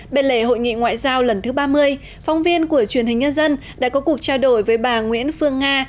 bên lề hội nghị ngoại giao lần thứ ba mươi phóng viên của truyền hình nhân dân đã có cuộc trao đổi với bà nguyễn phương nga